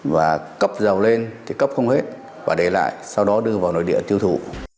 và cấp dầu lên thì cấp không hết và để lại sau đó đưa vào nội địa tiêu thủ